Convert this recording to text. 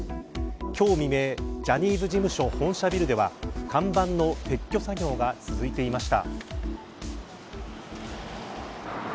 今日未明ジャニーズ事務所本社ビルでは看板の撤去作業が続いていました。